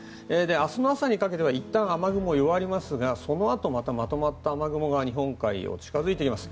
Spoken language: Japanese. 明日の朝にかけていったん雨雲弱りますがそのあとまとまった雨雲が日本海に近づいてきます。